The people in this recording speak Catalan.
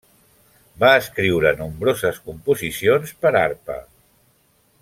Va escriure nombroses composicions per a arpa.